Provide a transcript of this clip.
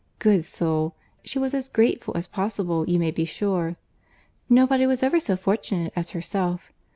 Good soul! she was as grateful as possible, you may be sure. 'Nobody was ever so fortunate as herself!